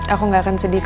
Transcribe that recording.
aku gak akan sedih kok